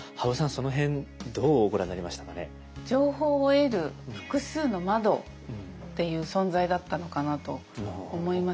その辺どうご覧になりましたかね。っていう存在だったのかなと思います。